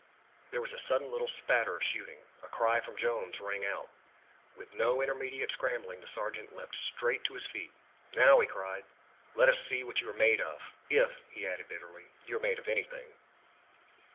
There was a sudden little spatter of shooting. A cry from Jones rang out. With no intermediate scrambling, the sergeant leaped straight to his feet. "Now," he cried, "let us see what you are made of! If," he added bitterly, "you are made of anything!"